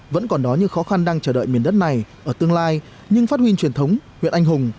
vẫn còn đó những khó khăn đang chờ đợi miền đất này ở tương lai nhưng phát huy truyền thống huyện anh hùng